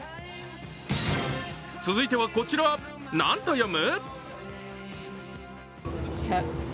続いてはこちら、何と読む？